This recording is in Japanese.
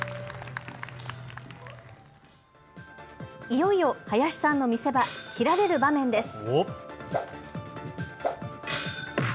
いよいよ林さんの見せ場斬られる場面です。